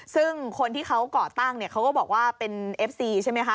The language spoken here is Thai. ซึ่งคนที่เขาก่อตั้งเนี่ยเขาก็บอกว่าเป็นเอฟซีใช่ไหมคะ